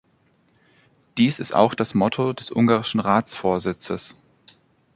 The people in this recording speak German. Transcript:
Dies ist auch das Motto des ungarischen Ratsvorsitzes.